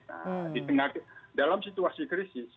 nah di tengah dalam situasi krisis